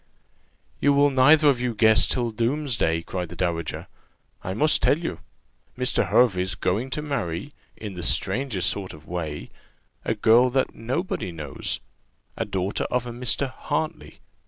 "You will neither of you guess till doomsday!" cried the dowager; "I must tell you. Mr. Hervey's going to marry in the strangest sort of way! a girl that nobody knows a daughter of a Mr. Hartley.